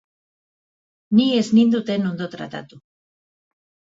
Ni ez ninduten ondo tratatu.